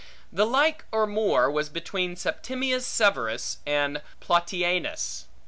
The like, or more, was between Septimius Severus and Plautianus.